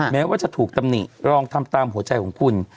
แม้ว่าจะถูกตำหนิลองทำตามหัวใจของคุณ